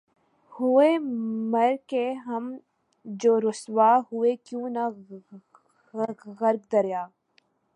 ہوئے مر کے ہم جو رسوا ہوئے کیوں نہ غرق دریا